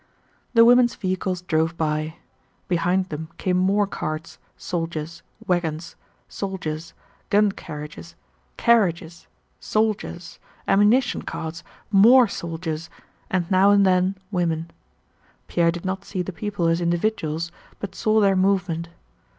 The women's vehicles drove by. Behind them came more carts, soldiers, wagons, soldiers, gun carriages, carriages, soldiers, ammunition carts, more soldiers, and now and then women. Pierre did not see the people as individuals but saw their movement.